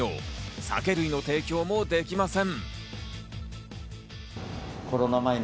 酒類の提供もできません。